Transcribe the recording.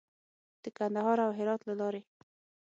د کندهار او هرات له لارې.